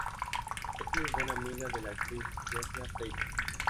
Es muy buena amiga de la actriz Georgia Taylor.